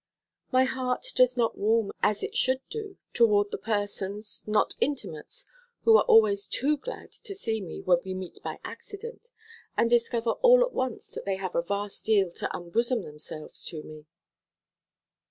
My heart does not warm as it should do toward the persons, not intimates, who are always too glad to see me when we meet by accident, and discover all at once that they have a vast deal to unbosom themselves to me.